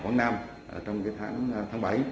quảng nam trong cái tháng tháng bảy